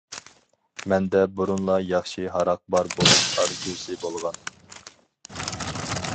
مەندە بۇرۇنلا ياخشى ھاراق بار بولۇش ئارزۇسى بولغان.